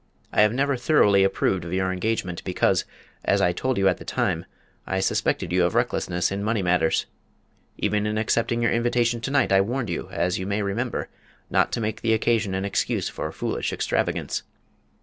I have never thoroughly approved of your engagement, because, as I told you at the time, I suspected you of recklessness in money matters. Even in accepting your invitation to night I warned you, as you may remember, not to make the occasion an excuse for foolish extravagance.